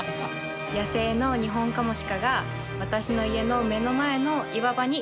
野生のニホンカモシカが私の家の目の前の岩場にすみ着いています。